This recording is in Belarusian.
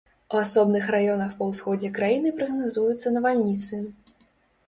У асобных раёнах па ўсходзе краіны прагназуюцца навальніцы.